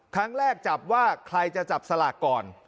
ครั้งแรกจับว่าใครจะจับสลากก่อน